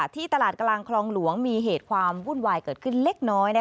ที่ตลาดกลางคลองหลวงมีเหตุความวุ่นวายเกิดขึ้นเล็กน้อย